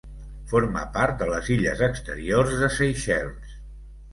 Forma part de les Illes Exteriors de Seychelles.